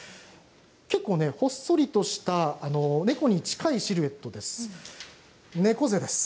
結構、ほっそりとした猫に近いシルエットです。